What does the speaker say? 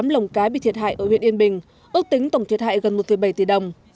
năm mươi tám lồng cái bị thiệt hại ở huyện yên bình ước tính tổng thiệt hại gần một bảy tỷ đồng